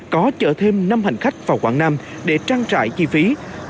có chở thêm năm hành khách vào quảng nam để trang trại chiếc xe khách